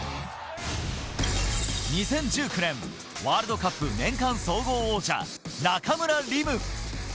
２０１９年ワールドカップ年間総合王者、中村輪夢。